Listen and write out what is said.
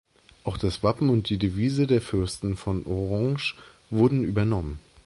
Auch das Wappen und die Devise der Fürsten von Orange wurden übernommen.